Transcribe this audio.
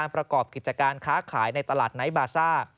ประกอบกิจการค้าขายในตลาดไนท์บาซ่า